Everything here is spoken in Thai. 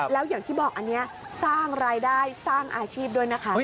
แล้วอย่างที่บอกอันนี้สร้างรายได้สร้างอาชีพด้วยนะคะ